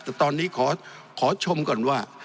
แต่ตอนนี้ขอชมก่อนว่า